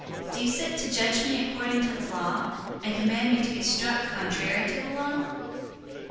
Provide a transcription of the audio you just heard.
Do you sit to judge me according to the law, and command me to be struck contrary to the law?"